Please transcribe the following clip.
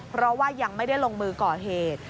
เพราะว่ายังไม่ได้ลงมือก่อเหตุ